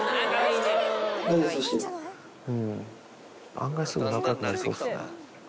案外すぐ仲よくなりそうです